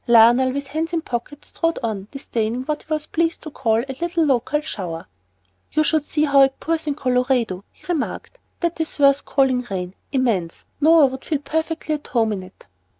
Lionel, with hands in pockets, strode on, disdaining what he was pleased to call "a little local shower." "You should see how it pours in Colorado," he remarked. "That's worth calling rain! Immense! Noah would feel perfectly at home in it!"